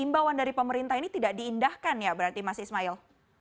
imbauan dari pemerintah ini tidak diindahkan ya berarti mas ismail